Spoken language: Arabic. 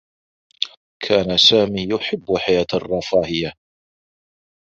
كان سامي يحبّ حياة الرّفاهيّة.